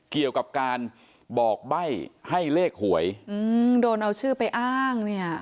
เกี่ยวกับการบอกใบ้ให้เลขหวยอืมโดนเอาชื่อไปอ้างเนี่ย